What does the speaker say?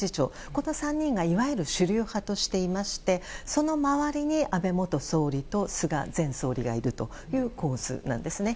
この３人がいわゆる主流派としていましてその周りに安倍元総理と菅前総理がいるという構図なんですね。